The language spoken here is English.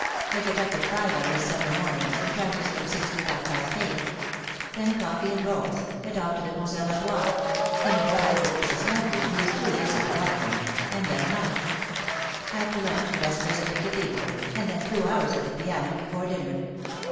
I get up at five on these summer mornings, and practise from six to half past eight ; then coffee and rolls, and off to the Conservatoire ; then a drive with Mrs. Holmby, who is too lazy to walk much ; and then luch. After lunch vespers at the Cathedral, and then two hours at the piano before dinner.